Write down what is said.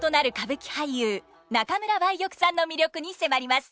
俳優中村梅玉さんの魅力に迫ります。